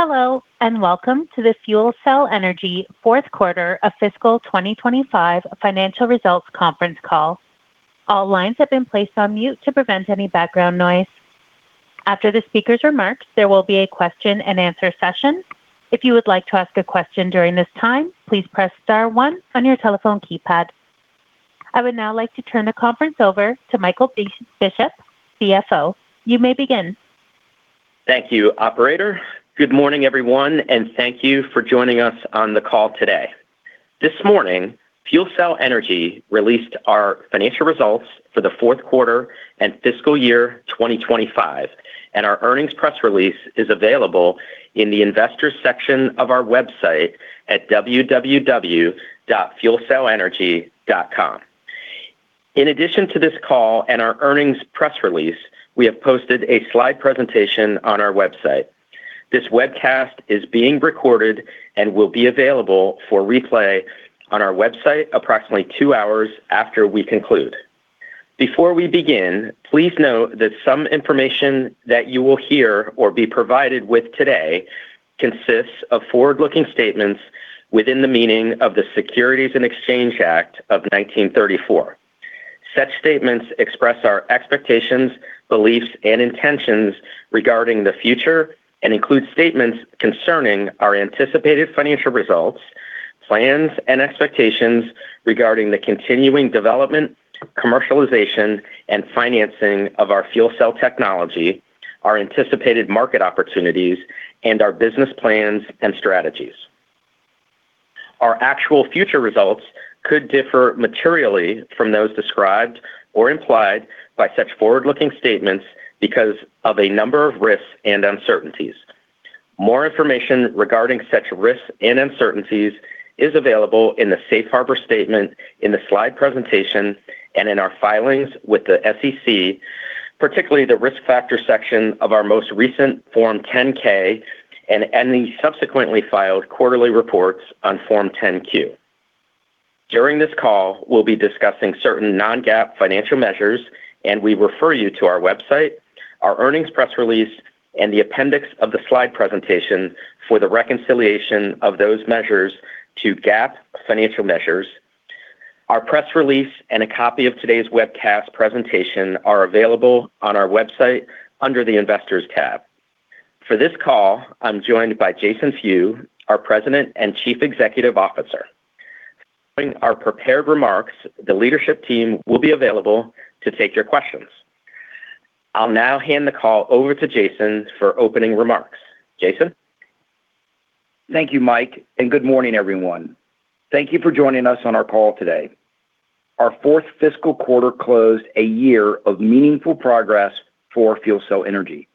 Hello, and welcome to the FuelCell Energy fourth quarter of fiscal 2025 financial results conference call. All lines have been placed on mute to prevent any background noise. After the speakers are marked, there will be a question-and-answer session. If you would like to ask a question during this time, please press star one on your telephone keypad. I would now like to turn the conference over to Michael Bishop, CFO. You may begin. Thank you, Operator. Good morning, everyone, and thank you for joining us on the call today. This morning, FuelCell Energy released our financial results for the fourth quarter and fiscal year 2025, and our earnings press release is available in the investor section of our website at www.fuelcellenergy.com. In addition to this call and our earnings press release, we have posted a slide presentation on our website. This webcast is being recorded and will be available for replay on our website approximately two hours after we conclude. Before we begin, please note that some information that you will hear or be provided with today consists of forward-looking statements within the meaning of the Securities and Exchange Act of 1934. Such statements express our expectations, beliefs, and intentions regarding the future and include statements concerning our anticipated financial results, plans, and expectations regarding the continuing development, commercialization, and financing of our fuel cell technology, our anticipated market opportunities, and our business plans and strategies. Our actual future results could differ materially from those described or implied by such forward-looking statements because of a number of risks and uncertainties. More information regarding such risks and uncertainties is available in the safe harbor statement in the slide presentation and in our filings with the SEC, particularly the risk factor section of our most recent Form 10-K and any subsequently filed quarterly reports on Form 10-Q. During this call, we'll be discussing certain Non-GAAP financial measures, and we refer you to our website, our earnings press release, and the appendix of the slide presentation for the reconciliation of those measures to GAAP financial measures. Our press release and a copy of today's webcast presentation are available on our website under the investors tab. For this call, I'm joined by Jason Few, our President and Chief Executive Officer. During our prepared remarks, the leadership team will be available to take your questions. I'll now hand the call over to Jason for opening remarks. Jason? Thank you, Mike, and good morning, everyone. Thank you for joining us on our call today. Our fourth fiscal quarter closed a year of meaningful progress for FuelCell Energy.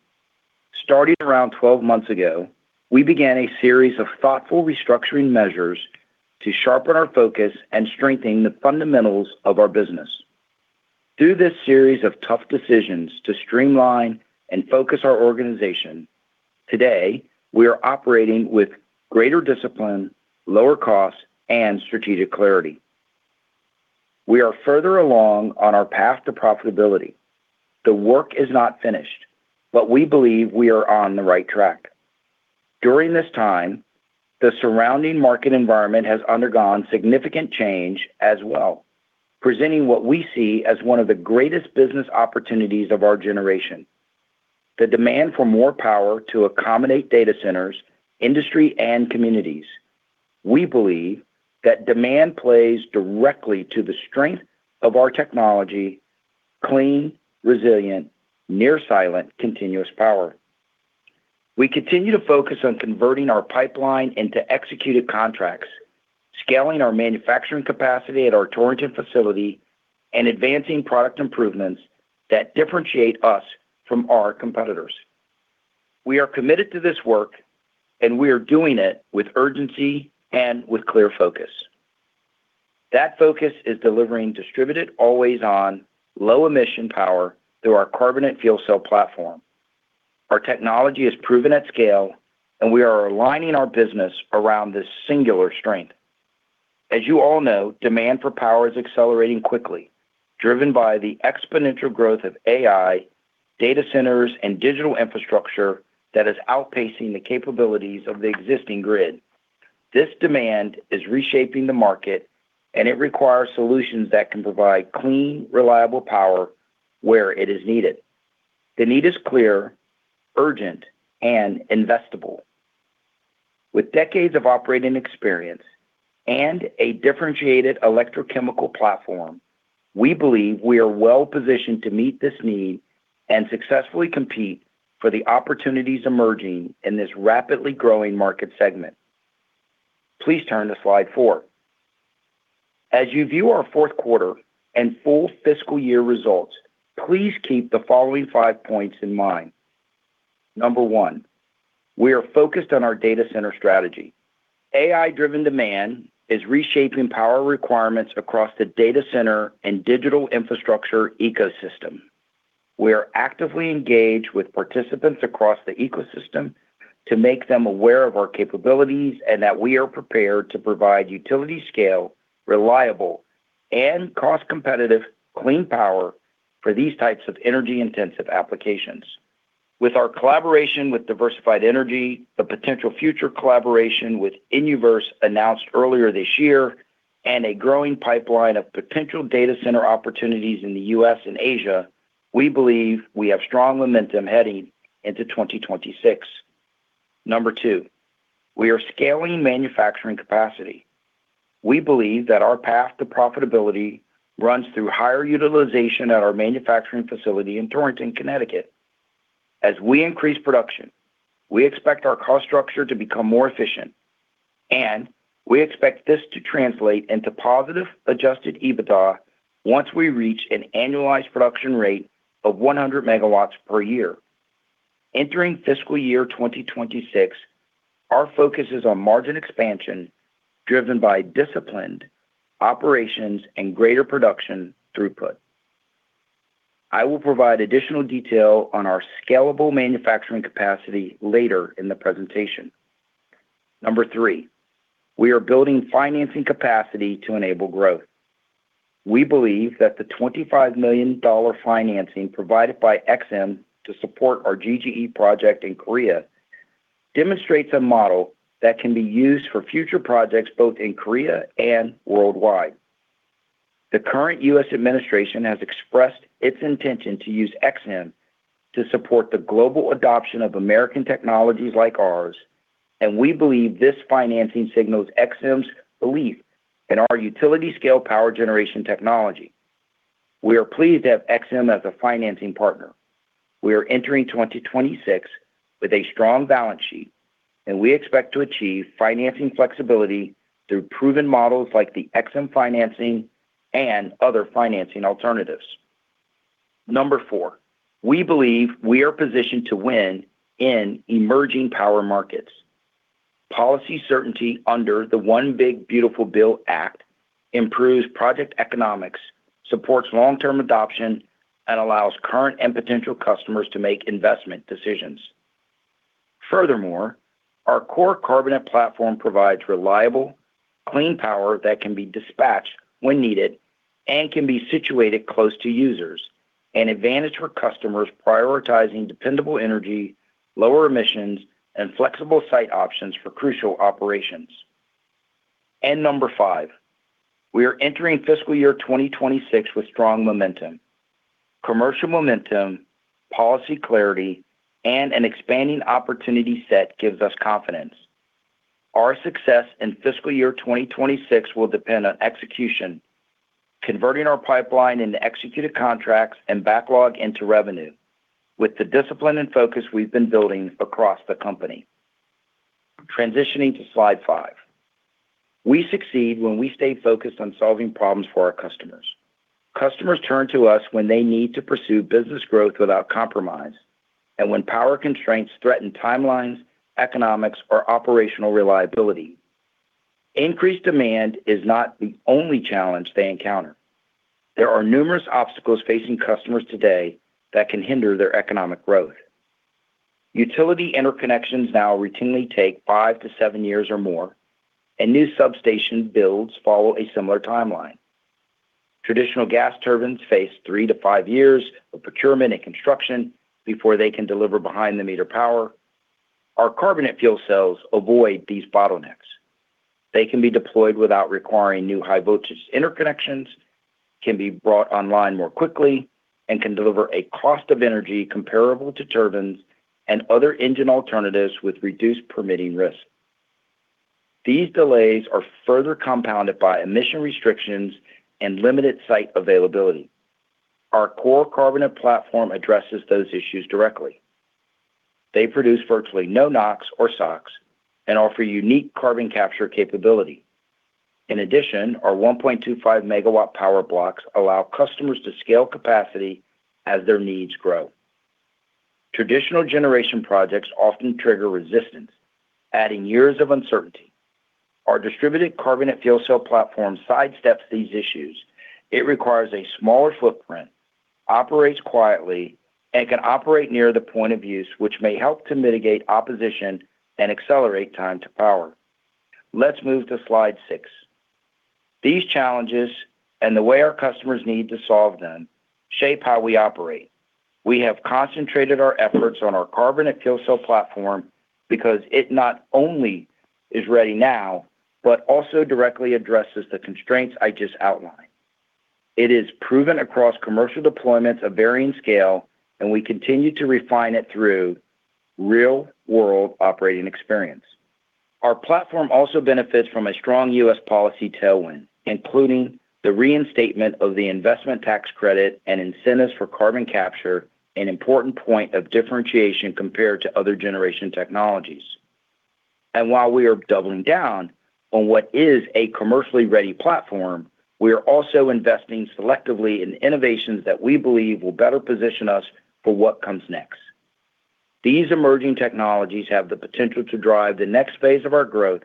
Starting around 12 months ago, we began a series of thoughtful restructuring measures to sharpen our focus and strengthen the fundamentals of our business. Through this series of tough decisions to streamline and focus our organization, today we are operating with greater discipline, lower costs, and strategic clarity. We are further along on our path to profitability. The work is not finished, but we believe we are on the right track. During this time, the surrounding market environment has undergone significant change as well, presenting what we see as one of the greatest business opportunities of our generation: the demand for more power to accommodate data centers, industry, and communities. We believe that demand plays directly to the strength of our technology: clean, resilient, near-silent continuous power. We continue to focus on converting our pipeline into executed contracts, scaling our manufacturing capacity at our Torrington facility, and advancing product improvements that differentiate us from our competitors. We are committed to this work, and we are doing it with urgency and with clear focus. That focus is delivering distributed, always-on, low-emission power through our carbonate fuel cell platform. Our technology is proven at scale, and we are aligning our business around this singular strength. As you all know, demand for power is accelerating quickly, driven by the exponential growth of AI, data centers, and digital infrastructure that is outpacing the capabilities of the existing grid. This demand is reshaping the market, and it requires solutions that can provide clean, reliable power where it is needed. The need is clear, urgent, and investable. With decades of operating experience and a differentiated electrochemical platform, we believe we are well-positioned to meet this need and successfully compete for the opportunities emerging in this rapidly growing market segment. Please turn to slide four. As you view our fourth quarter and full fiscal year results, please keep the following five points in mind. Number one, we are focused on our data center strategy. AI-driven demand is reshaping power requirements across the data center and digital infrastructure ecosystem. We are actively engaged with participants across the ecosystem to make them aware of our capabilities and that we are prepared to provide utility-scale, reliable, and cost-competitive clean power for these types of energy-intensive applications. With our collaboration with Diversified Energy, the potential future collaboration with Innoverse announced earlier this year, and a growing pipeline of potential data center opportunities in the U.S. and Asia, we believe we have strong momentum heading into 2026. Number two, we are scaling manufacturing capacity. We believe that our path to profitability runs through higher utilization at our manufacturing facility in Torrington, Connecticut. As we increase production, we expect our cost structure to become more efficient, and we expect this to translate into positive Adjusted EBITDA once we reach an annualized production rate of 100 MW per year. Entering fiscal year 2026, our focus is on margin expansion driven by disciplined operations and greater production throughput. I will provide additional detail on our scalable manufacturing capacity later in the presentation. Number three, we are building financing capacity to enable growth. We believe that the $25 million financing provided by Exxon to support our GGE project in Korea demonstrates a model that can be used for future projects both in Korea and worldwide. The current U.S. administration has expressed its intention to use Exxon to support the global adoption of American technologies like ours, and we believe this financing signals Exxon's belief in our utility-scale power generation technology. We are pleased to have Exxon as a financing partner. We are entering 2026 with a strong balance sheet, and we expect to achieve financing flexibility through proven models like the Exxon financing and other financing alternatives. Number four, we believe we are positioned to win in emerging power markets. Policy certainty under the Big Beautiful Bill Act improves project economics, supports long-term adoption, and allows current and potential customers to make investment decisions. Furthermore, our core carbonate platform provides reliable, clean power that can be dispatched when needed and can be situated close to users, an advantage for customers prioritizing dependable energy, lower emissions, and flexible site options for crucial operations. Number five, we are entering fiscal year 2026 with strong momentum. Commercial momentum, policy clarity, and an expanding opportunity set gives us confidence. Our success in fiscal year 2026 will depend on execution, converting our pipeline into executed contracts and backlog into revenue, with the discipline and focus we've been building across the company. Transitioning to slide five. We succeed when we stay focused on solving problems for our customers. Customers turn to us when they need to pursue business growth without compromise, and when power constraints threaten timelines, economics, or operational reliability. Increased demand is not the only challenge they encounter. There are numerous obstacles facing customers today that can hinder their economic growth. Utility interconnections now routinely take five to seven years or more, and new substation builds follow a similar timeline. Traditional gas turbines face three to five years of procurement and construction before they can deliver behind-the-meter power. Our carbonate fuel cells avoid these bottlenecks. They can be deployed without requiring new high-voltage interconnections, can be brought online more quickly, and can deliver a cost of energy comparable to turbines and other engine alternatives with reduced permitting risk. These delays are further compounded by emission restrictions and limited site availability. Our core carbonate platform addresses those issues directly. They produce virtually no NOx or SOx and offer unique carbon capture capability. In addition, our 1.25 MW power blocks allow customers to scale capacity as their needs grow. Traditional generation projects often trigger resistance, adding years of uncertainty. Our distributed carbonate fuel cell platform sidesteps these issues. It requires a smaller footprint, operates quietly, and can operate near the point of use, which may help to mitigate opposition and accelerate time to power. Let's move to slide six. These challenges and the way our customers need to solve them shape how we operate. We have concentrated our efforts on our carbonate fuel cell platform because it not only is ready now, but also directly addresses the constraints I just outlined. It is proven across commercial deployments of varying scale, and we continue to refine it through real-world operating experience. Our platform also benefits from a strong U.S. policy tailwind, including the reinstatement of the investment tax credit and incentives for carbon capture, an important point of differentiation compared to other generation technologies. And while we are doubling down on what is a commercially ready platform, we are also investing selectively in innovations that we believe will better position us for what comes next. These emerging technologies have the potential to drive the next phase of our growth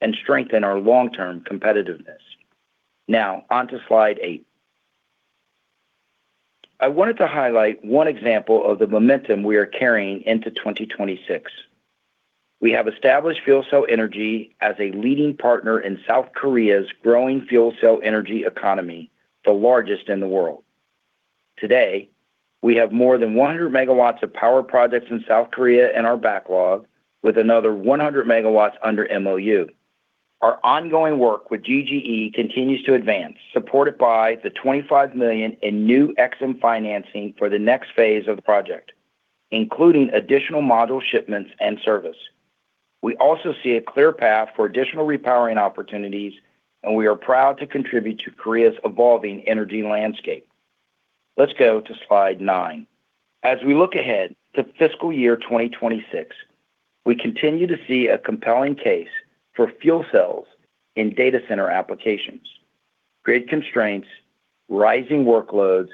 and strengthen our long-term competitiveness. Now, on to slide eight. I wanted to highlight one example of the momentum we are carrying into 2026. We have established FuelCell Energy as a leading partner in South Korea's growing fuel cell energy economy, the largest in the world. Today, we have more than 100 MW of power projects in South Korea in our backlog, with another 100 MW under MOU. Our ongoing work with GGE continues to advance, supported by the $25 million in new Exxon financing for the next phase of the project, including additional module shipments and service. We also see a clear path for additional repowering opportunities, and we are proud to contribute to Korea's evolving energy landscape. Let's go to slide nine. As we look ahead to fiscal year 2026, we continue to see a compelling case for fuel cells in data center applications. Grid constraints, rising workloads,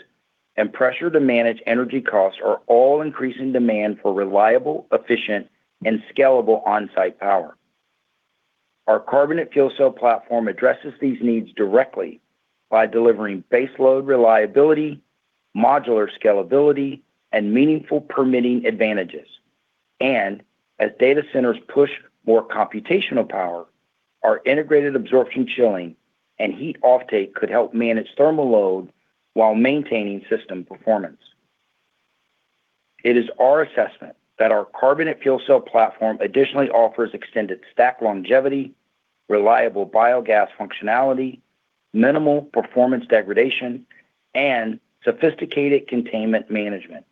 and pressure to manage energy costs are all increasing demand for reliable, efficient, and scalable on-site power. Our carbonate fuel cell platform addresses these needs directly by delivering baseload reliability, modular scalability, and meaningful permitting advantages, and as data centers push more computational power, our integrated absorption chilling and heat offtake could help manage thermal load while maintaining system performance. It is our assessment that our carbonate fuel cell platform additionally offers extended stack longevity, reliable biogas functionality, minimal performance degradation, and sophisticated containment management.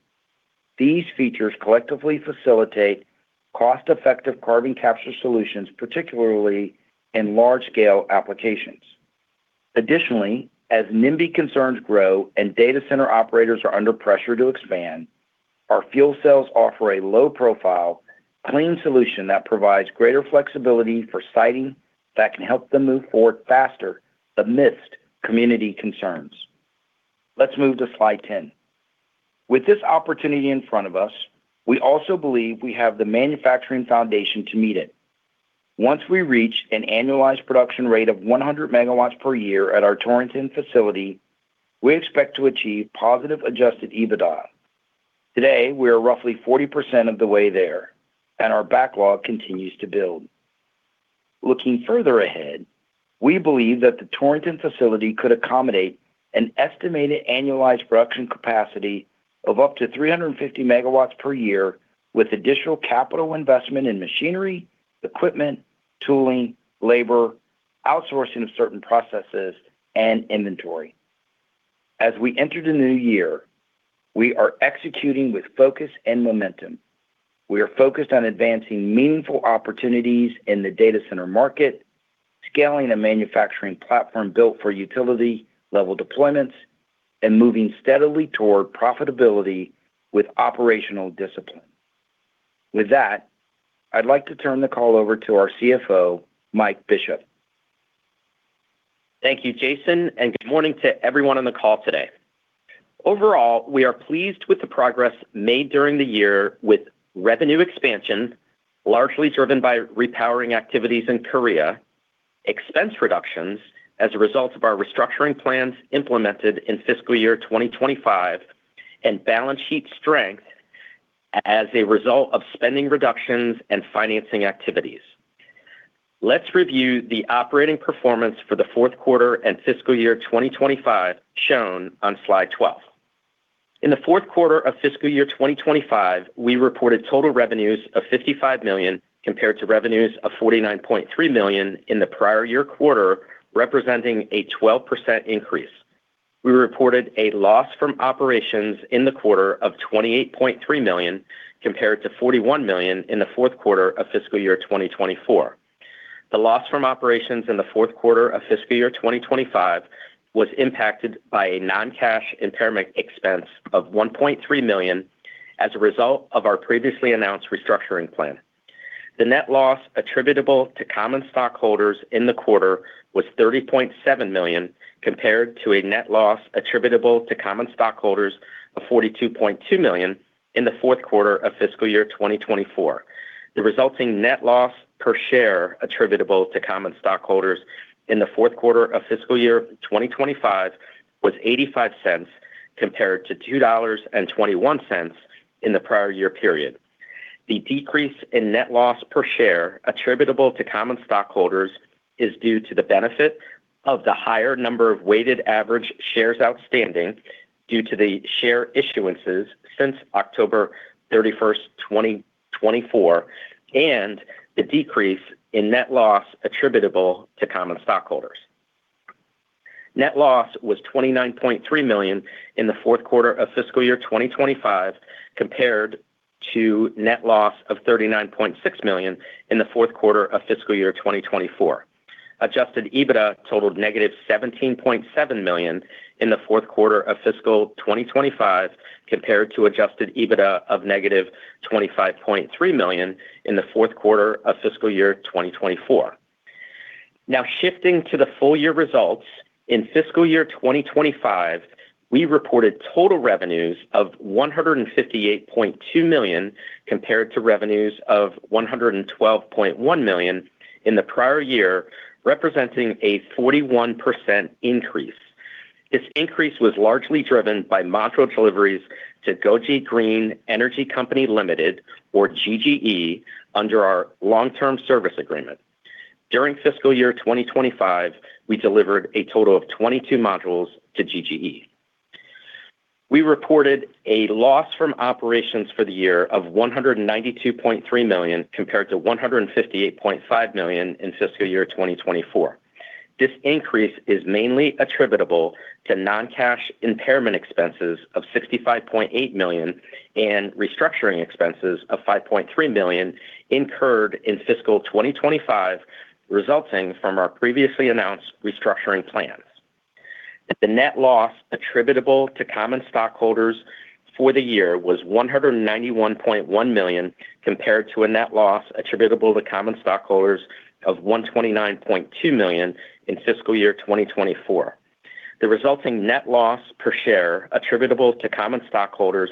These features collectively facilitate cost-effective carbon capture solutions, particularly in large-scale applications. Additionally, as NIMBY concerns grow and data center operators are under pressure to expand, our fuel cells offer a low-profile, clean solution that provides greater flexibility for siting that can help them move forward faster amidst community concerns. Let's move to slide 10. With this opportunity in front of us, we also believe we have the manufacturing foundation to meet it. Once we reach an annualized production rate of 100 MW per year at our Torrington facility, we expect to achieve positive Adjusted EBITDA. Today, we are roughly 40% of the way there, and our backlog continues to build. Looking further ahead, we believe that the Torrington facility could accommodate an estimated annualized production capacity of up to 350 MW per year with additional capital investment in machinery, equipment, tooling, labor, outsourcing of certain processes, and inventory. As we enter the new year, we are executing with focus and momentum. We are focused on advancing meaningful opportunities in the data center market, scaling a manufacturing platform built for utility-level deployments, and moving steadily toward profitability with operational discipline. With that, I'd like to turn the call over to our CFO, Mike Bishop. Thank you, Jason, and good morning to everyone on the call today. Overall, we are pleased with the progress made during the year with revenue expansion, largely driven by repowering activities in Korea, expense reductions as a result of our restructuring plans implemented in fiscal year 2025, and balance sheet strength as a result of spending reductions and financing activities. Let's review the operating performance for the fourth quarter and fiscal year 2025 shown on slide 12. In the fourth quarter of fiscal year 2025, we reported total revenues of $55 million compared to revenues of $49.3 million in the prior year quarter, representing a 12% increase. We reported a loss from operations in the quarter of $28.3 million compared to $41 million in the fourth quarter of fiscal year 2024. The loss from operations in the fourth quarter of fiscal year 2025 was impacted by a non-cash impairment expense of $1.3 million as a result of our previously announced restructuring plan. The net loss attributable to common stockholders in the quarter was $30.7 million compared to a net loss attributable to common stockholders of $42.2 million in the fourth quarter of fiscal year 2024. The resulting net loss per share attributable to common stockholders in the fourth quarter of fiscal year 2025 was $0.85 compared to $2.21 in the prior year period. The decrease in net loss per share attributable to common stockholders is due to the benefit of the higher number of weighted average shares outstanding due to the share issuances since October 31, 2024, and the decrease in net loss attributable to common stockholders. Net loss was $29.3 million in the fourth quarter of fiscal year 2025 compared to net loss of $39.6 million in the fourth quarter of fiscal year 2024. Adjusted EBITDA totaled -$17.7 million in the fourth quarter of fiscal 2025 compared to Adjusted EBITDA of -$25.3 million in the fourth quarter of fiscal year 2024. Now, shifting to the full year results, in fiscal year 2025, we reported total revenues of $158.2 million compared to revenues of $112.1 million in the prior year, representing a 41% increase. This increase was largely driven by module deliveries to Gyeonggi Green Energy Company Limited, or GGE, under our long-term service agreement. During fiscal year 2025, we delivered a total of 22 modules to GGE. We reported a loss from operations for the year of $192.3 million compared to $158.5 million in fiscal year 2024. This increase is mainly attributable to non-cash impairment expenses of $65.8 million and restructuring expenses of $5.3 million incurred in fiscal 2025, resulting from our previously announced restructuring plans. The net loss attributable to common stockholders for the year was $191.1 million compared to a net loss attributable to common stockholders of $129.2 million in fiscal year 2024. The resulting net loss per share attributable to common stockholders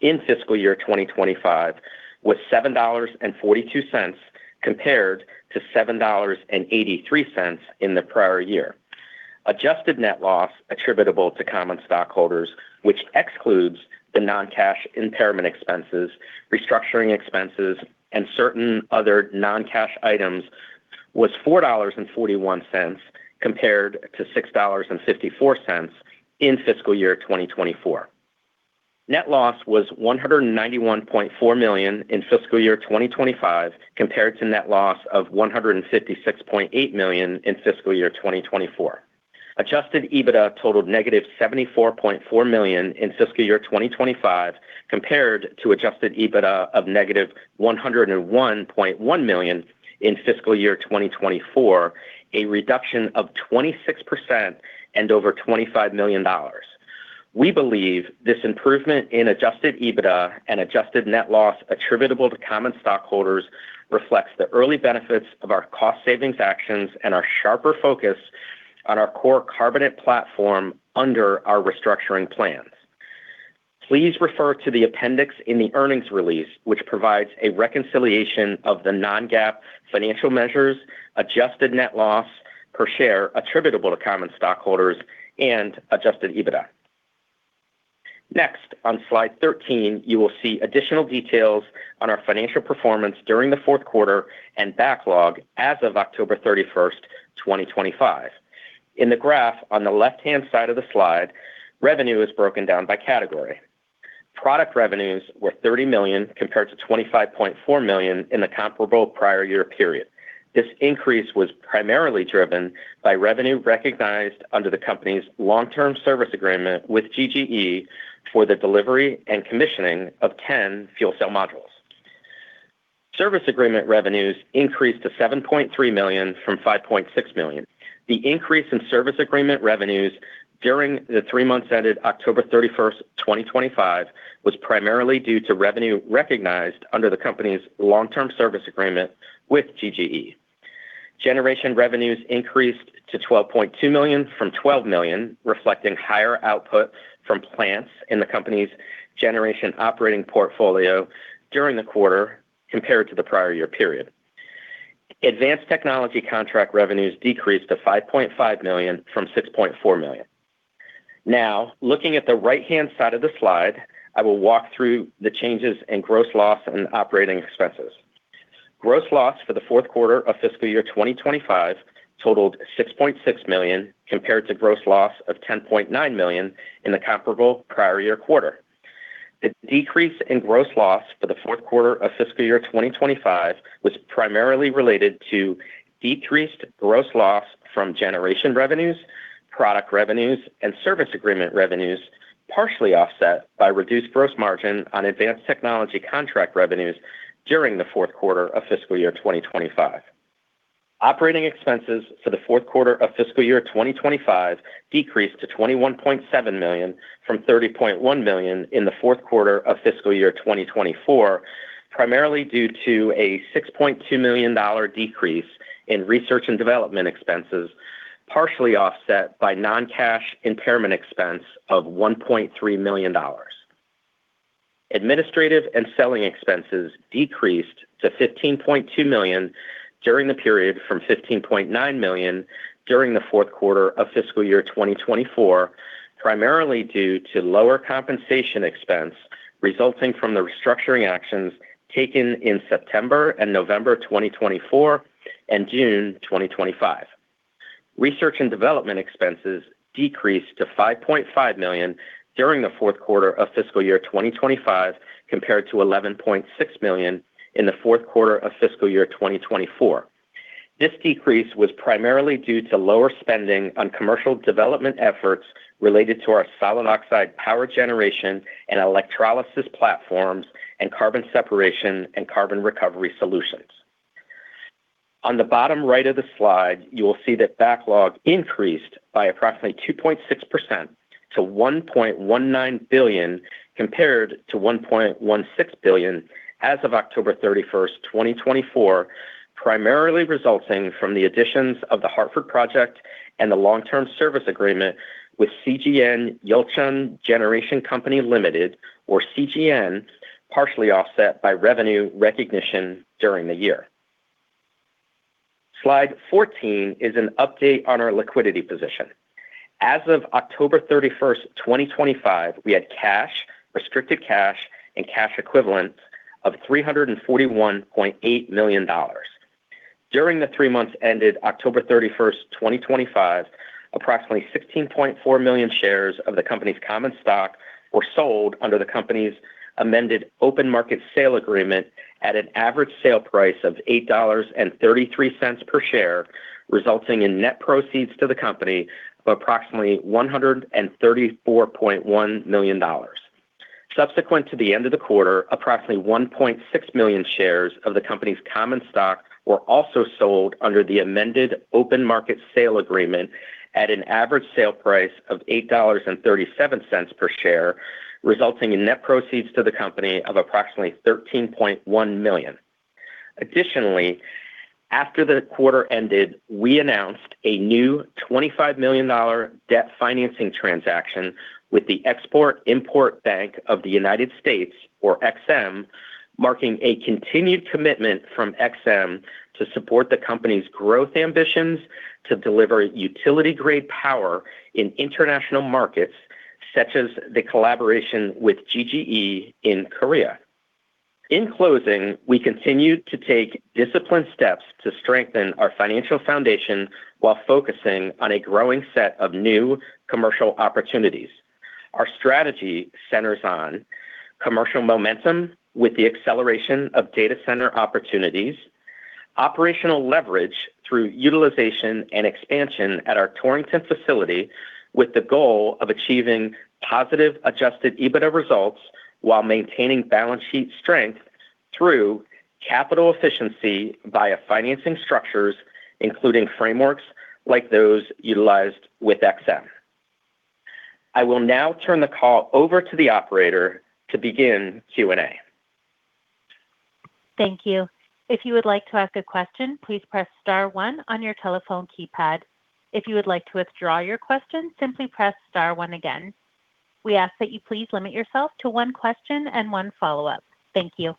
in fiscal year 2025 was $7.42 compared to $7.83 in the prior year. Adjusted net loss attributable to common stockholders, which excludes the non-cash impairment expenses, restructuring expenses, and certain other non-cash items, was $4.41 compared to $6.54 in fiscal year 2024. Net loss was $191.4 million in fiscal year 2025 compared to net loss of $156.8 million in fiscal year 2024. Adjusted EBITDA totaled -$74.4 million in fiscal year 2025 compared to Adjusted EBITDA of negative $101.1 million in fiscal year 2024, a reduction of 26% and over $25 million. We believe this improvement in Adjusted EBITDA and adjusted net loss attributable to common stockholders reflects the early benefits of our cost-savings actions and our sharper focus on our core carbonate platform under our restructuring plans. Please refer to the appendix in the earnings release, which provides a reconciliation of the Non-GAAP financial measures, adjusted net loss per share attributable to common stockholders, and Adjusted EBITDA. Next, on slide 13, you will see additional details on our financial performance during the fourth quarter and backlog as of October 31, 2025. In the graph on the left-hand side of the slide, revenue is broken down by category. Product revenues were $30 million compared to $25.4 million in the comparable prior year period. This increase was primarily driven by revenue recognized under the company's long-term service agreement with GGE for the delivery and commissioning of 10 fuel cell modules. Service agreement revenues increased to $7.3 million from $5.6 million. The increase in service agreement revenues during the three months ended October 31, 2025, was primarily due to revenue recognized under the company's long-term service agreement with GGE. Generation revenues increased to $12.2 million from $12 million, reflecting higher output from plants in the company's generation operating portfolio during the quarter compared to the prior year period. Advanced technology contract revenues decreased to $5.5 million from $6.4 million. Now, looking at the right-hand side of the slide, I will walk through the changes in gross loss and operating expenses. Gross loss for the fourth quarter of fiscal year 2025 totaled $6.6 million compared to gross loss of $10.9 million in the comparable prior year quarter. The decrease in gross loss for the fourth quarter of fiscal year 2025 was primarily related to decreased gross loss from generation revenues, product revenues, and service agreement revenues, partially offset by reduced gross margin on advanced technology contract revenues during the fourth quarter of fiscal year 2025. Operating expenses for the fourth quarter of fiscal year 2025 decreased to $21.7 million from $30.1 million in the fourth quarter of fiscal year 2024, primarily due to a $6.2 million decrease in research and development expenses, partially offset by non-cash impairment expense of $1.3 million. Administrative and selling expenses decreased to $15.2 million during the period from $15.9 million during the fourth quarter of fiscal year 2024, primarily due to lower compensation expense resulting from the restructuring actions taken in September and November 2024 and June 2025. Research and development expenses decreased to $5.5 million during the fourth quarter of fiscal year 2025 compared to $11.6 million in the fourth quarter of fiscal year 2024. This decrease was primarily due to lower spending on commercial development efforts related to our solid oxide power generation and electrolysis platforms and carbon separation and carbon recovery solutions. On the bottom right of the slide, you will see that backlog increased by approximately 2.6% to $1.19 billion compared to $1.16 billion as of October 31, 2024, primarily resulting from the additions of the Hartford Project and the long-term service agreement with CGN Yulchon Generation Company Limited, or CGN, partially offset by revenue recognition during the year. Slide 14 is an update on our liquidity position. As of October 31, 2025, we had cash, restricted cash, and cash equivalent of $341.8 million. During the three months ended October 31, 2025, approximately 16.4 million shares of the company's common stock were sold under the company's amended open market sale agreement at an average sale price of $8.33 per share, resulting in net proceeds to the company of approximately $134.1 million. Subsequent to the end of the quarter, approximately 1.6 million shares of the company's common stock were also sold under the amended open market sale agreement at an average sale price of $8.37 per share, resulting in net proceeds to the company of approximately $13.1 million. Additionally, after the quarter ended, we announced a new $25 million debt financing transaction with the Export-Import Bank of the United States, or EXIM, marking a continued commitment from EXIM to support the company's growth ambitions to deliver utility-grade power in international markets, such as the collaboration with GGE in Korea. In closing, we continue to take disciplined steps to strengthen our financial foundation while focusing on a growing set of new commercial opportunities. Our strategy centers on commercial momentum with the acceleration of data center opportunities, operational leverage through utilization and expansion at our Torrington facility, with the goal of achieving positive Adjusted EBITDA results while maintaining balance sheet strength through capital efficiency via financing structures, including frameworks like those utilized with EXIM. I will now turn the call over to the operator to begin Q&A. Thank you. If you would like to ask a question, please press star one on your telephone keypad. If you would like to withdraw your question, simply press star one again. We ask that you please limit yourself to one question and one follow-up. Thank you.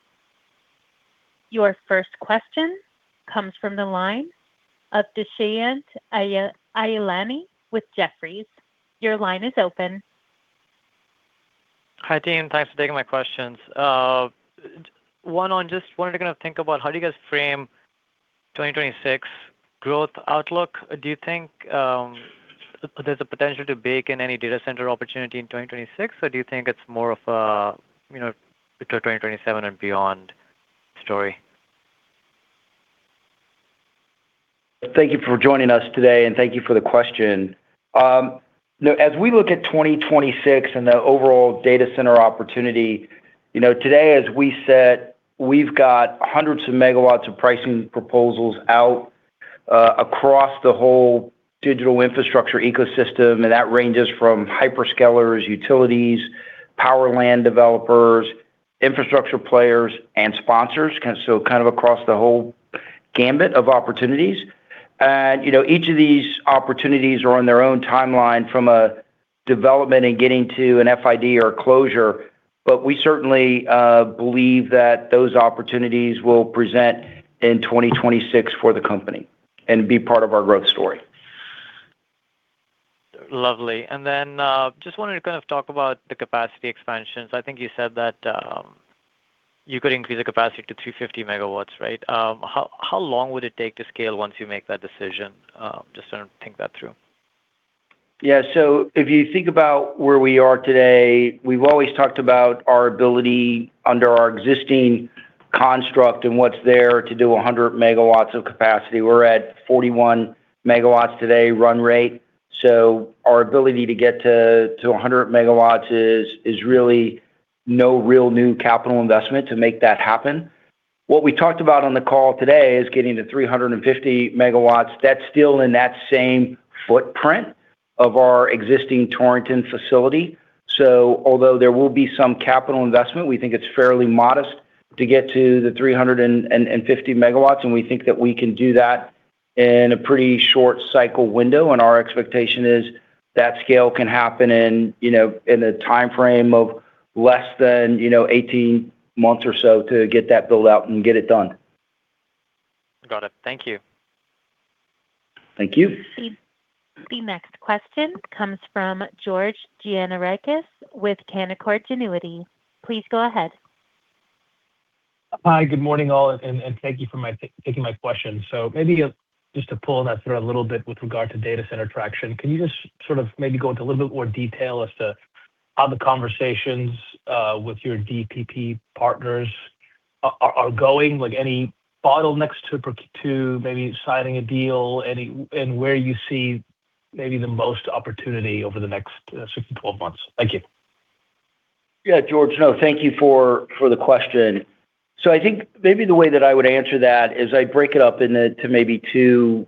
Your first question comes from the line of Dushyant Ailani with Jefferies. Your line is open. Hi, Jason. Thanks for taking my questions. One on just wanted to kind of think about how do you guys frame 2026 growth outlook. Do you think there's a potential to bake in any data center opportunity in 2026, or do you think it's more of a 2027 and beyond story? Thank you for joining us today, and thank you for the question. As we look at 2026 and the overall data center opportunity, today, as we said, we've got hundreds of megawatts of pricing proposals out across the whole digital infrastructure ecosystem, and that ranges from hyperscalers, utilities, powered land developers, infrastructure players, and sponsors, so kind of across the whole gamut of opportunities. And each of these opportunities are on their own timeline from a development and getting to an FID or a closure, but we certainly believe that those opportunities will present in 2026 for the company and be part of our growth story. Lovely. And then just wanted to kind of talk about the capacity expansions. I think you said that you could increase the capacity to 350 MW, right? How long would it take to scale once you make that decision? Just want to think that through. Yeah. So if you think about where we are today, we've always talked about our ability under our existing construct and what's there to do 100 MW of capacity. We're at 41 MW today run rate. So our ability to get to 100 MW is really no real new capital investment to make that happen. What we talked about on the call today is getting to 350 MW. That's still in that same footprint of our existing Torrington facility. So although there will be some capital investment, we think it's fairly modest to get to the 350 MW, and we think that we can do that in a pretty short cycle window. And our expectation is that scale can happen in a timeframe of less than 18 months or so to get that built out and get it done. Got it. Thank you. Thank you. The next question comes from George Gianarikas with Canaccord Genuity. Please go ahead. Hi, good morning all, and thank you for taking my question. So maybe just to pull that through a little bit with regard to data center traction, can you just sort of maybe go into a little bit more detail as to how the conversations with your DPP partners are going, like any bottlenecks to maybe signing a deal, and where you see maybe the most opportunity over the next six to 12 months? Thank you. Yeah, George, no, thank you for the question. So I think maybe the way that I would answer that is I'd break it up into maybe two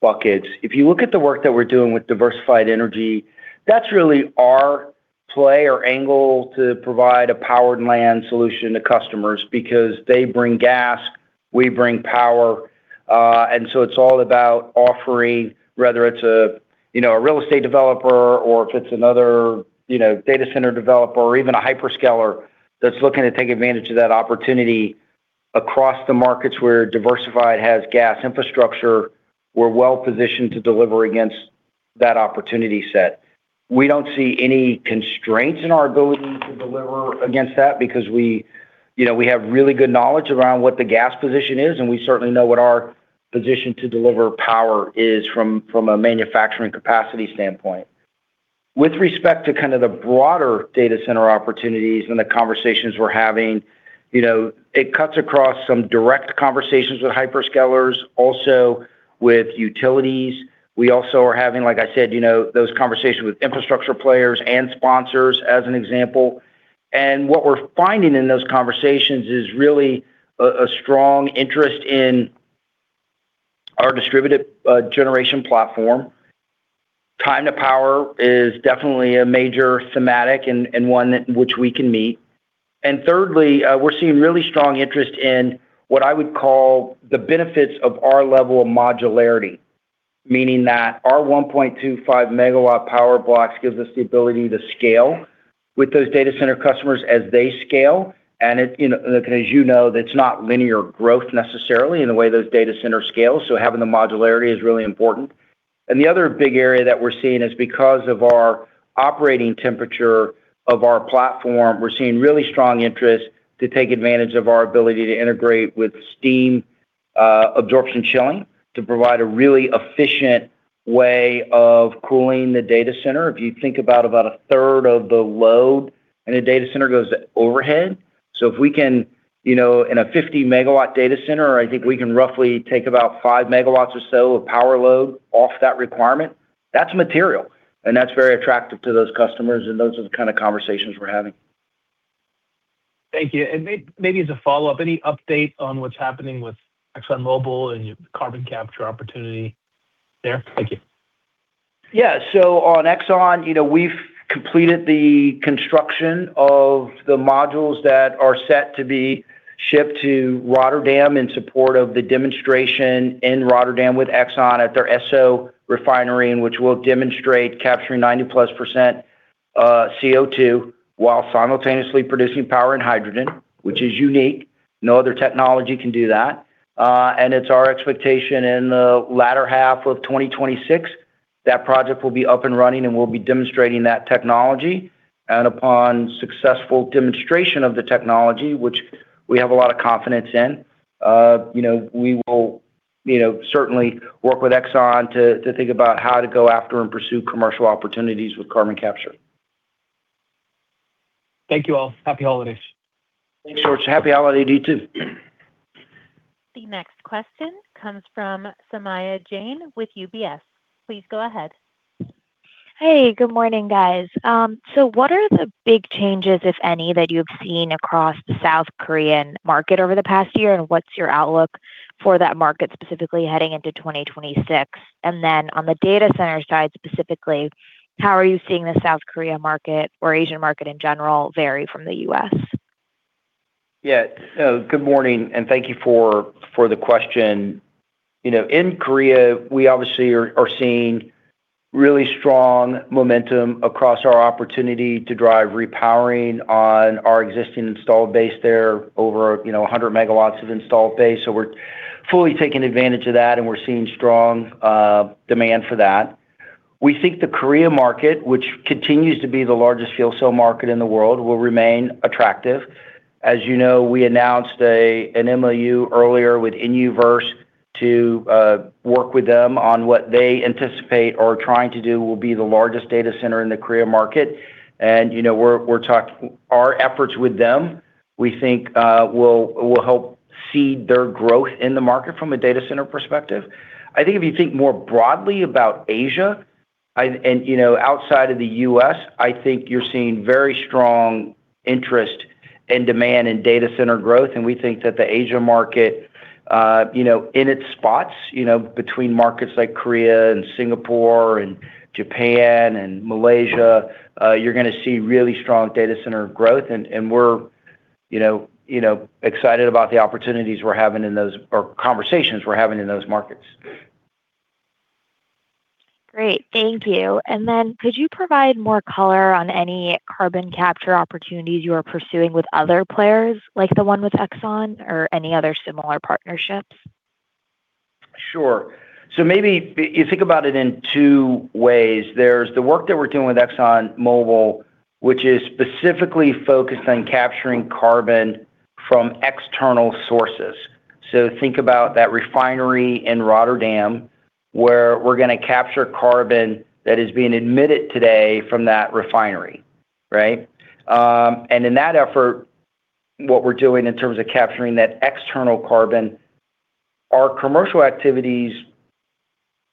buckets. If you look at the work that we're doing with Diversified Energy, that's really our play or angle to provide a powered land solution to customers because they bring gas, we bring power. And so it's all about offering, whether it's a real estate developer or if it's another data center developer or even a hyperscaler that's looking to take advantage of that opportunity across the markets where Diversified has gas infrastructure, we're well positioned to deliver against that opportunity set. We don't see any constraints in our ability to deliver against that because we have really good knowledge around what the gas position is, and we certainly know what our position to deliver power is from a manufacturing capacity standpoint. With respect to kind of the broader data center opportunities and the conversations we're having, it cuts across some direct conversations with hyperscalers, also with utilities. We also are having, like I said, those conversations with infrastructure players and sponsors as an example. And what we're finding in those conversations is really a strong interest in our distributed generation platform. Time to power is definitely a major thematic and one which we can meet. And thirdly, we're seeing really strong interest in what I would call the benefits of our level of modularity, meaning that our 1.25 MW power blocks gives us the ability to scale with those data center customers as they scale. And as you know, it's not linear growth necessarily in the way those data centers scale, so having the modularity is really important. The other big area that we're seeing is because of our operating temperature of our platform. We're seeing really strong interest to take advantage of our ability to integrate with steam absorption chilling to provide a really efficient way of cooling the data center. If you think about a third of the load in a data center goes overhead. So if we can, in a 50 MW data center, I think we can roughly take about 5 MW or so of power load off that requirement. That's material, and that's very attractive to those customers, and those are the kind of conversations we're having. Thank you. Maybe as a follow-up, any update on what's happening with ExxonMobil and carbon capture opportunity there? Thank you. Yeah. So on Exxon, we've completed the construction of the modules that are set to be shipped to Rotterdam in support of the demonstration in Rotterdam with Exxon at their Esso refinery, in which we'll demonstrate capturing 90%+ CO2 while simultaneously producing power and hydrogen, which is unique. No other technology can do that. And it's our expectation in the latter half of 2026 that project will be up and running, and we'll be demonstrating that technology. And upon successful demonstration of the technology, which we have a lot of confidence in, we will certainly work with Exxon to think about how to go after and pursue commercial opportunities with carbon capture. Thank you all. Happy holidays. Thanks, George. Happy holidays to you too. The next question comes from Saumya Jain with UBS. Please go ahead. Hey, good morning, guys. So what are the big changes, if any, that you've seen across the South Korean market over the past year, and what's your outlook for that market specifically heading into 2026? And then on the data center side specifically, how are you seeing the South Korea market or Asian market in general vary from the U.S.? Yeah. Good morning, and thank you for the question. In Korea, we obviously are seeing really strong momentum across our opportunity to drive repowering on our existing installed base there over 100 MW of installed base. So we're fully taking advantage of that, and we're seeing strong demand for that. We think the Korea market, which continues to be the largest fuel cell market in the world, will remain attractive. As you know, we announced an MOU earlier with Innoverse to work with them on what they anticipate or are trying to do will be the largest data center in the Korea market. And our efforts with them, we think, will help seed their growth in the market from a data center perspective. I think if you think more broadly about Asia and outside of the U.S., I think you're seeing very strong interest and demand in data center growth. And we think that the Asia market, in its spots between markets like Korea and Singapore and Japan and Malaysia, you're going to see really strong data center growth. And we're excited about the opportunities we're having in those or conversations we're having in those markets. Great. Thank you. And then could you provide more color on any carbon capture opportunities you are pursuing with other players like the one with Exxon or any other similar partnerships? Sure. So maybe you think about it in two ways. There's the work that we're doing with ExxonMobil, which is specifically focused on capturing carbon from external sources. So think about that refinery in Rotterdam where we're going to capture carbon that is being emitted today from that refinery, right? And in that effort, what we're doing in terms of capturing that external carbon, our commercial activities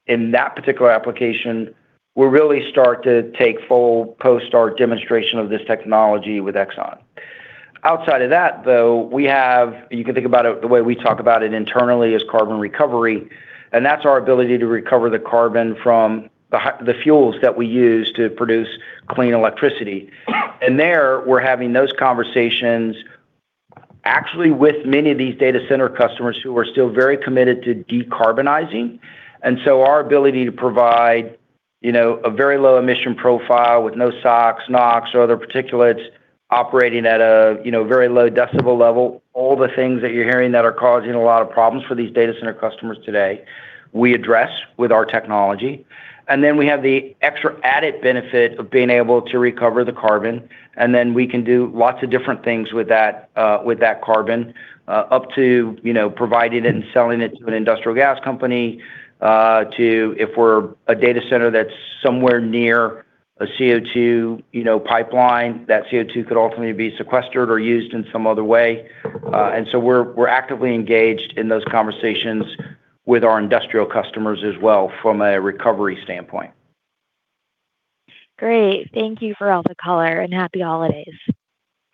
in that particular application will really start to take full post-FID demonstration of this technology with Exxon. Outside of that, though, you can think about it the way we talk about it internally as carbon recovery. And that's our ability to recover the carbon from the fuels that we use to produce clean electricity. And there we're having those conversations actually with many of these data center customers who are still very committed to decarbonizing. And so our ability to provide a very low emission profile with no SOx, NOx, or other particulates operating at a very low decibel level, all the things that you're hearing that are causing a lot of problems for these data center customers today, we address with our technology. And then we have the extra added benefit of being able to recover the carbon. Then we can do lots of different things with that carbon, up to providing it and selling it to an industrial gas company to if we're a data center that's somewhere near a CO2 pipeline, that CO2 could ultimately be sequestered or used in some other way. And so we're actively engaged in those conversations with our industrial customers as well from a recovery standpoint. Great. Thank you for all the color and happy holidays.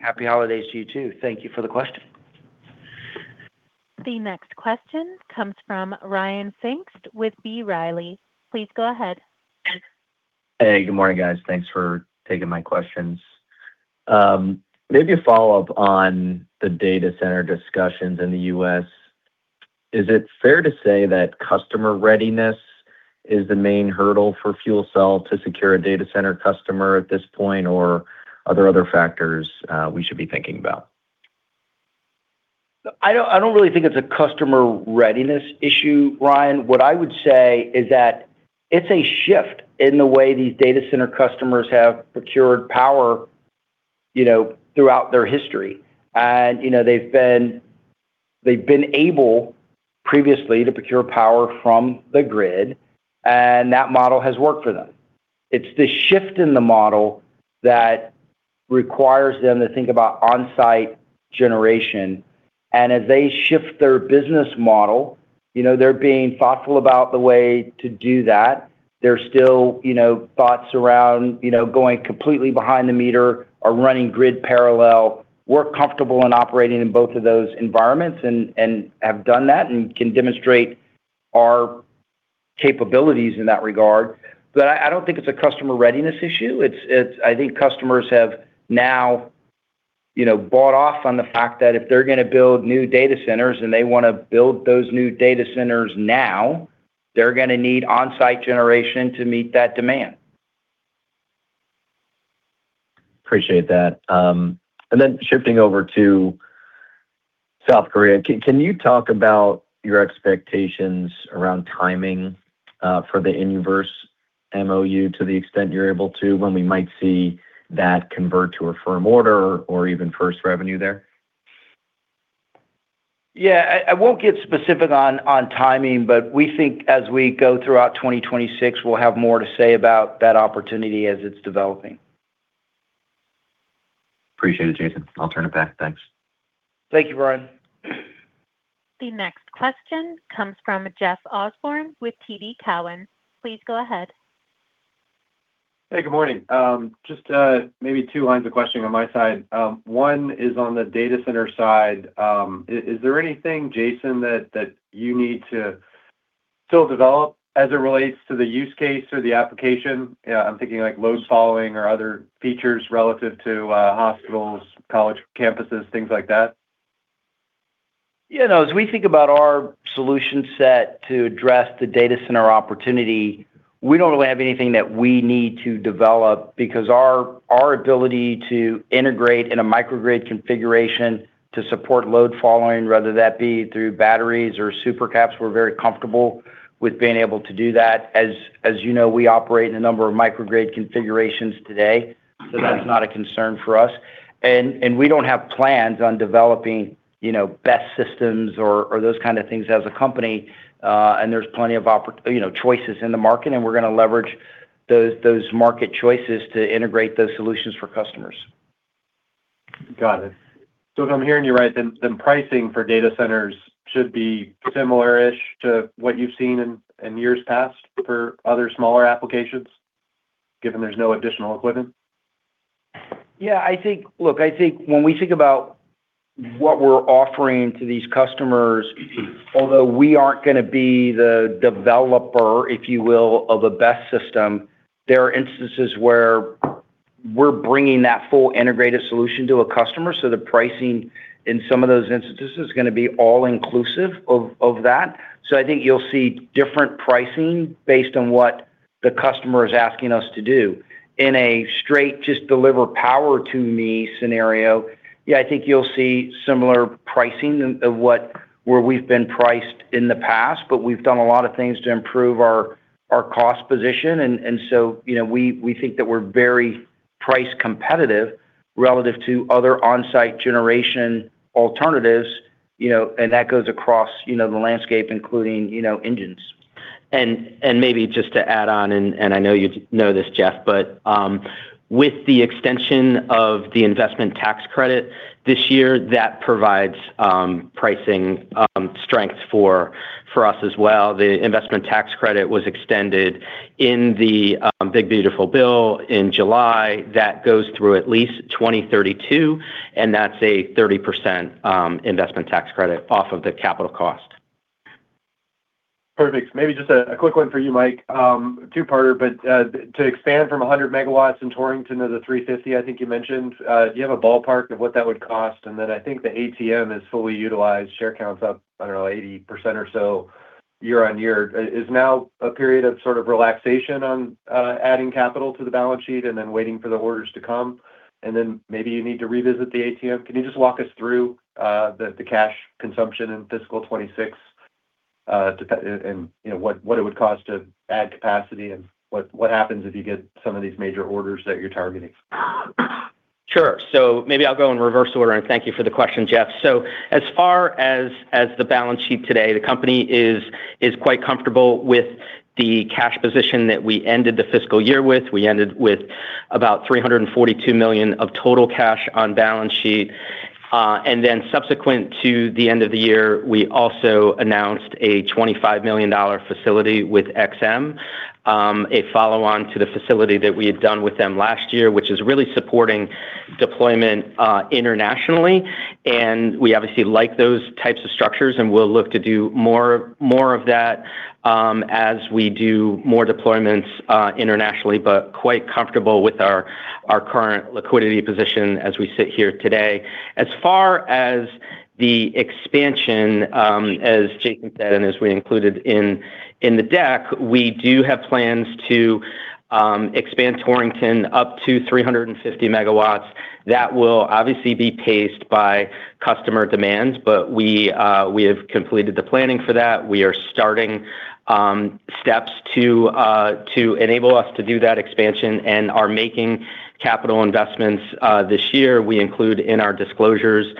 Happy holidays to you too. Thank you for the question. The next question comes from Ryan Pfingst with B. Riley Securities. Please go ahead. Hey, good morning, guys. Thanks for taking my questions. Maybe a follow-up on the data center discussions in the U.S. Is it fair to say that customer readiness is the main hurdle for FuelCell to secure a data center customer at this point, or are there other factors we should be thinking about? I don't really think it's a customer readiness issue, Ryan. What I would say is that it's a shift in the way these data center customers have procured power throughout their history. And they've been able previously to procure power from the grid, and that model has worked for them. It's the shift in the model that requires them to think about on-site generation. And as they shift their business model, they're being thoughtful about the way to do that. There's still thoughts around going completely behind the meter or running grid parallel. We're comfortable in operating in both of those environments and have done that and can demonstrate our capabilities in that regard. But I don't think it's a customer readiness issue. I think customers have now bought off on the fact that if they're going to build new data centers and they want to build those new data centers now, they're going to need on-site generation to meet that demand. Appreciate that. And then shifting over to South Korea, can you talk about your expectations around timing for the Innoverse MOU to the extent you're able to when we might see that convert to a firm order or even first revenue there? Yeah. I won't get specific on timing, but we think as we go throughout 2026, we'll have more to say about that opportunity as it's developing. Appreciate it, Jason. I'll turn it back. Thanks. Thank you, Ryan. The next question comes from Jeff Osborne with TD Cowen. Please go ahead. Hey, good morning. Just maybe two lines of questioning on my side. One is on the data center side. Is there anything, Jason, that you need to still develop as it relates to the use case or the application? I'm thinking like load following or other features relative to hospitals, college campuses, things like that. Yeah. As we think about our solution set to address the data center opportunity, we don't really have anything that we need to develop because our ability to integrate in a microgrid configuration to support load following, whether that be through batteries or supercaps, we're very comfortable with being able to do that. As you know, we operate in a number of microgrid configurations today, so that's not a concern for us. And we don't have plans on developing BESS systems or those kinds of things as a company. And there's plenty of choices in the market, and we're going to leverage those market choices to integrate those solutions for customers. Got it. So if I'm hearing you right, then pricing for data centers should be similar-ish to what you've seen in years past for other smaller applications, given there's no additional equipment? Yeah. Look, I think when we think about what we're offering to these customers, although we aren't going to be the developer, if you will, of a best system, there are instances where we're bringing that full integrated solution to a customer. So the pricing in some of those instances is going to be all-inclusive of that. So I think you'll see different pricing based on what the customer is asking us to do. In a straight, just deliver power to me scenario, yeah, I think you'll see similar pricing of where we've been priced in the past, but we've done a lot of things to improve our cost position. And so we think that we're very price competitive relative to other on-site generation alternatives, and that goes across the landscape, including engines. And maybe just to add on, and I know you know this, Jeff, but with the extension of the investment tax credit this year, that provides pricing strength for us as well. The investment tax credit was extended in the Big Beautiful Bill in July that goes through at least 2032, and that's a 30% investment tax credit off of the capital cost. Perfect. Maybe just a quick one for you, Mike. Two-parter, but to expand from 100 MW in Torrington to the 350, I think you mentioned. Do you have a ballpark of what that would cost? And then I think the ATM is fully utilized. Share count's up, I don't know, 80% or so year on year. Is now a period of sort of relaxation on adding capital to the balance sheet and then waiting for the orders to come? And then maybe you need to revisit the ATM. Can you just walk us through the cash consumption in fiscal 26 and what it would cost to add capacity and what happens if you get some of these major orders that you're targeting? Sure. So maybe I'll go in reverse order and thank you for the question, Jeff. So as far as the balance sheet today, the company is quite comfortable with the cash position that we ended the fiscal year with. We ended with about $342 million of total cash on balance sheet. And then subsequent to the end of the year, we also announced a $25 million facility with EXIM, a follow-on to the facility that we had done with them last year, which is really supporting deployment internationally. We obviously like those types of structures, and we'll look to do more of that as we do more deployments internationally, but quite comfortable with our current liquidity position as we sit here today. As far as the expansion, as Jason said and as we included in the deck, we do have plans to expand Torrington up to 350 MW. That will obviously be paced by customer demands, but we have completed the planning for that. We are starting steps to enable us to do that expansion and are making capital investments this year. We include in our disclosures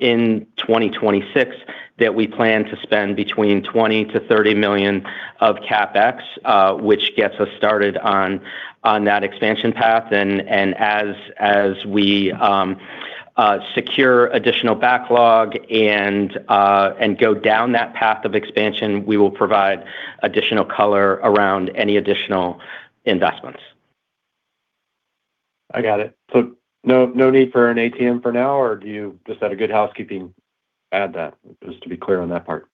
in 2026 that we plan to spend between $20 million-$30 million of CapEx, which gets us started on that expansion path. And as we secure additional backlog and go down that path of expansion, we will provide additional color around any additional investments. I got it. So no need for an ATM for now, or do you just have a good housekeeping add that just to be clear on that part?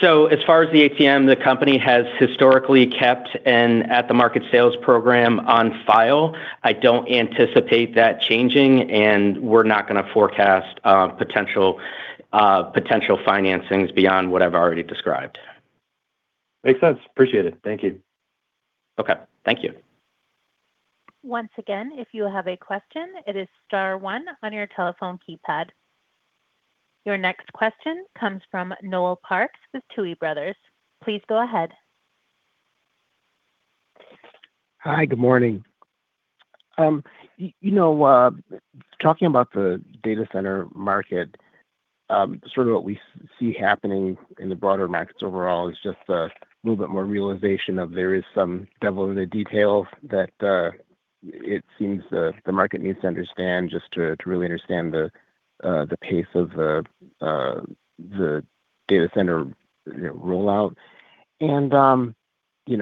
So as far as the ATM, the company has historically kept an at-the-market sales program on file. I don't anticipate that changing, and we're not going to forecast potential financings beyond what I've already described. Makes sense. Appreciate it. Thank you. Okay. Thank you. Once again, if you have a question, it is star one on your telephone keypad. Your next question comes from Noel Parks with Tuohy Brothers. Please go ahead. Hi. Good morning. Talking about the data center market, sort of what we see happening in the broader markets overall is just a little bit more realization of there is some devil in the details that it seems the market needs to understand just to really understand the pace of the data center rollout, and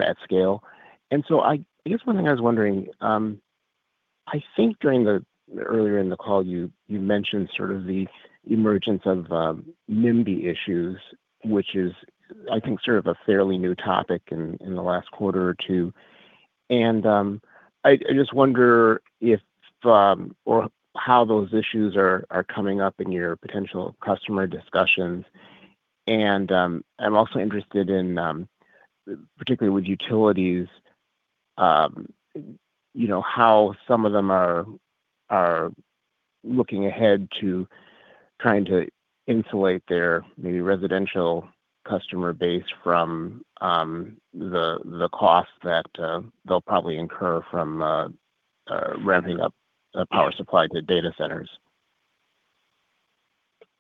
at scale, and so I guess one thing I was wondering, I think earlier in the call, you mentioned sort of the emergence of NIMBY issues, which is, I think, sort of a fairly new topic in the last quarter or two, and I just wonder if or how those issues are coming up in your potential customer discussions. I'm also interested in, particularly with utilities, how some of them are looking ahead to trying to insulate their maybe residential customer base from the cost that they'll probably incur from ramping up power supply to data centers.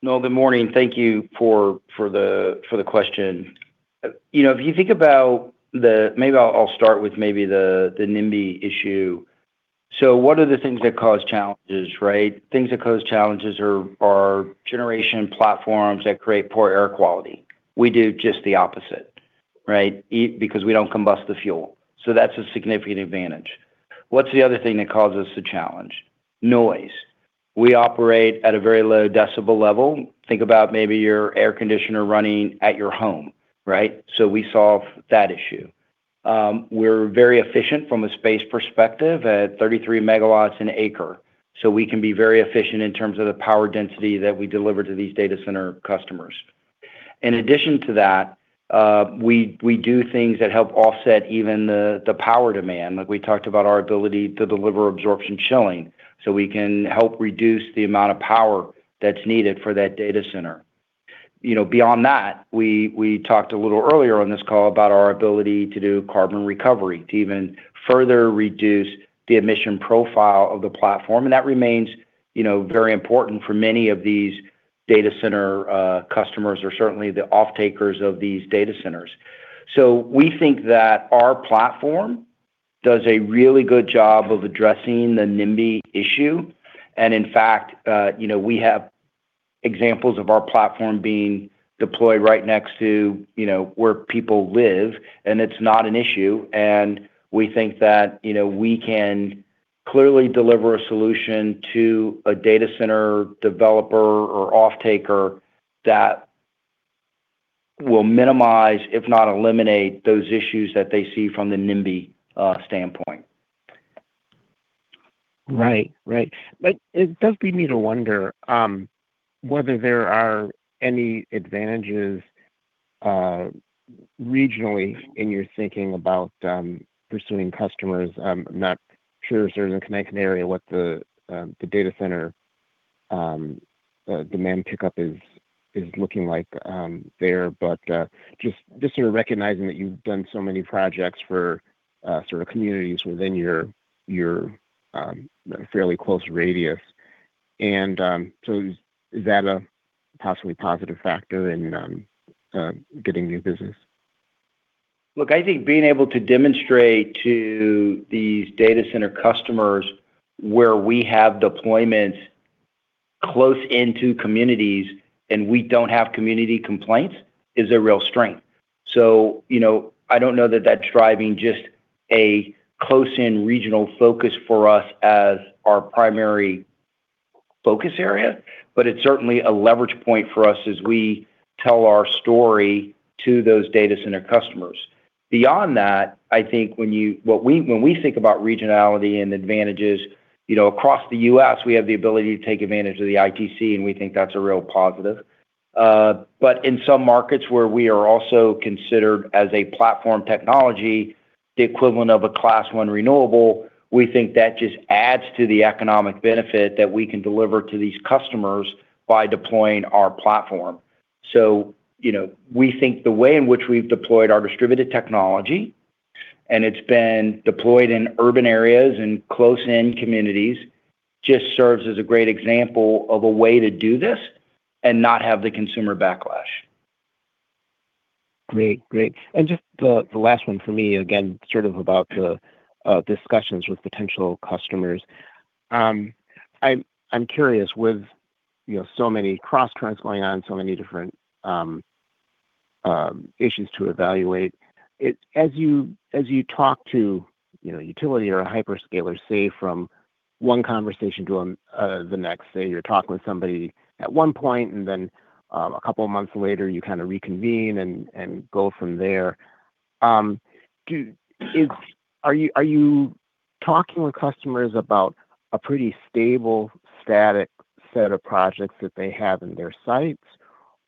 Noel, good morning. Thank you for the question. If you think about it, maybe I'll start with the NIMBY issue. So what are the things that cause challenges, right? Things that cause challenges are generation platforms that create poor air quality. We do just the opposite, right, because we don't combust the fuel. So that's a significant advantage. What's the other thing that causes the challenge? Noise. We operate at a very low decibel level. Think about maybe your air conditioner running at your home, right? So we solve that issue. We're very efficient from a space perspective at 33 MW an acre. We can be very efficient in terms of the power density that we deliver to these data center customers. In addition to that, we do things that help offset even the power demand. We talked about our ability to deliver absorption chilling. We can help reduce the amount of power that's needed for that data center. Beyond that, we talked a little earlier on this call about our ability to do carbon recovery to even further reduce the emission profile of the platform. That remains very important for many of these data center customers or certainly the off-takers of these data centers. We think that our platform does a really good job of addressing the NIMBY issue. In fact, we have examples of our platform being deployed right next to where people live, and it's not an issue. And we think that we can clearly deliver a solution to a data center developer or off-taker that will minimize, if not eliminate, those issues that they see from the NIMBY standpoint. Right. Right. But it does lead me to wonder whether there are any advantages regionally in your thinking about pursuing customers. I'm not sure if there's a Connecticut area what the data center demand pickup is looking like there, but just sort of recognizing that you've done so many projects for sort of communities within your fairly close radius. And so is that a possibly positive factor in getting new business? Look, I think being able to demonstrate to these data center customers where we have deployments close into communities and we don't have community complaints is a real strength. So I don't know that that's driving just a close-in regional focus for us as our primary focus area, but it's certainly a leverage point for us as we tell our story to those data center customers. Beyond that, I think when we think about regionality and advantages across the U.S., we have the ability to take advantage of the ITC, and we think that's a real positive. But in some markets where we are also considered as a platform technology, the equivalent of a Class I renewable, we think that just adds to the economic benefit that we can deliver to these customers by deploying our platform. So we think the way in which we've deployed our distributed technology and it's been deployed in urban areas and close-in communities just serves as a great example of a way to do this and not have the consumer backlash. Great. Great. And just the last one for me, again, sort of about the discussions with potential customers. I'm curious, with so many cross-currents going on, so many different issues to evaluate, as you talk to a utility or a hyperscaler, say, from one conversation to the next, say you're talking with somebody at one point, and then a couple of months later, you kind of reconvene and go from there, are you talking with customers about a pretty stable, static set of projects that they have in their sights,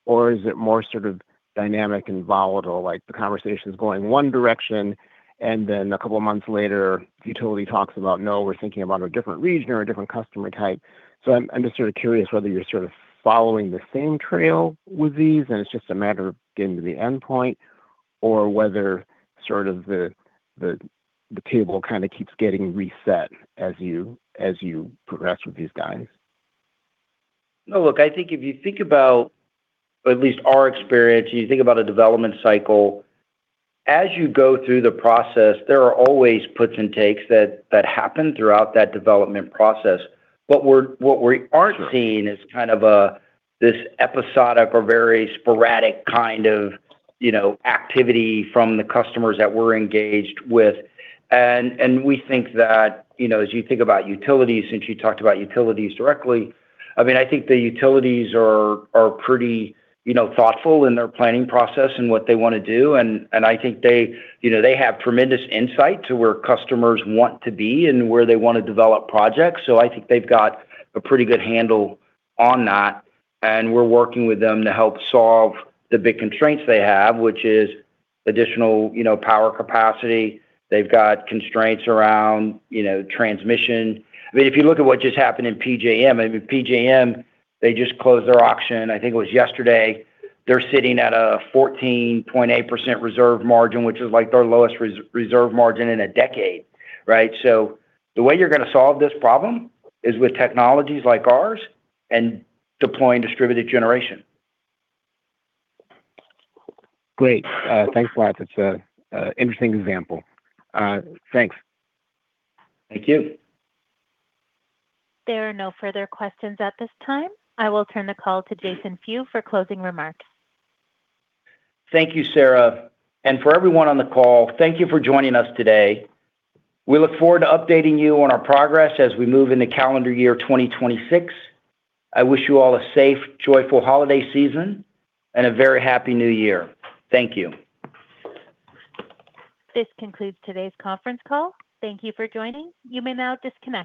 or is it more sort of dynamic and volatile, like the conversation's going one direction, and then a couple of months later, the utility talks about, "No, we're thinking about a different region or a different customer type"? So I'm just sort of curious whether you're sort of following the same trail with these, and it's just a matter of getting to the end point, or whether sort of the table kind of keeps getting reset as you progress with these guys. No, look, I think if you think about at least our experience, you think about a development cycle, as you go through the process, there are always puts and takes that happen throughout that development process. What we aren't seeing is kind of this episodic or very sporadic kind of activity from the customers that we're engaged with. And we think that as you think about utilities, since you talked about utilities directly, I mean, I think the utilities are pretty thoughtful in their planning process and what they want to do. I think they have tremendous insight to where customers want to be and where they want to develop projects. So I think they've got a pretty good handle on that. We're working with them to help solve the big constraints they have, which is additional power capacity. They've got constraints around transmission. I mean, if you look at what just happened in PJM, I mean, PJM, they just closed their auction. I think it was yesterday. They're sitting at a 14.8% reserve margin, which is like their lowest reserve margin in a decade, right? The way you're going to solve this problem is with technologies like ours and deploying distributed generation. Great. Thanks, Mike. It's an interesting example. Thanks. Thank you. There are no further questions at this time. I will turn the call to Jason Few for closing remarks. Thank you, Sarah. And for everyone on the call, thank you for joining us today. We look forward to updating you on our progress as we move into calendar year 2026. I wish you all a safe, joyful holiday season and a very happy New Year. Thank you. This concludes today's conference call. Thank you for joining. You may now disconnect.